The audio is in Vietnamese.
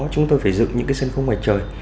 chúng tôi phải dựng những cái sân khung ngoài trời